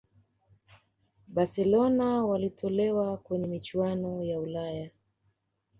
barcelona walitolewa kwenye michuano ya ulaya